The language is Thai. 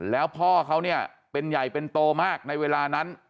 แล้วพ่อเขาเนี่ยเป็นใหญ่เป็นโตมากในเวลานั้น